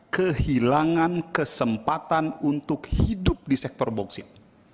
kehilangan kesempatan untuk hidup di sektor boksit